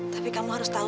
tapi kamu harus percaya